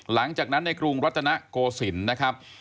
หลังจากนั้นในกรุงรัตนโกศิลป์